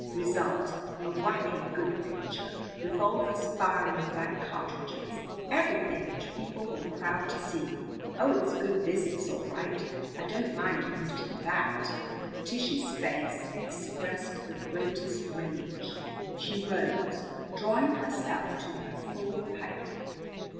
Result a whacking good picture, revolvers firing blank cartridges, everything which people will crowd to see. Oh, it's good business all right. I don't mind admitting that." Tish's face expressed the greatest rage. She rose, drawing herself to her full height.